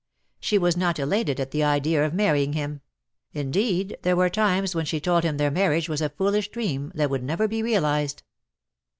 She was not elated at the idea of marrying him; indeed there were times when she told him their marriage was a foolish dream, that would never be realised.